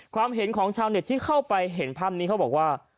ความเห็นของชาวเน็ตที่เข้าไปเห็นภาพนี้เขาบอกว่า